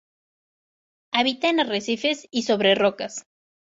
Habita en arrecifes y sobre rocas.